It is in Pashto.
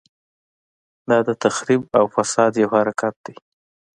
دا د تخریب او فساد یو حرکت دی.